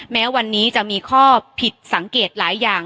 แม้วันนี้จะมีข้อผิดสังเกตหลายอย่าง